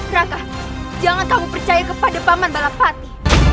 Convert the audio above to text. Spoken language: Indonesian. raga jangan kamu percaya kepada paman balapati